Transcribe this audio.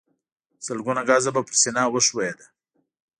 سلګونه ګزه به پر سينه وښويېد.